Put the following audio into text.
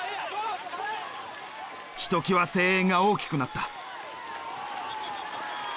ひときわ声援が大きくなった。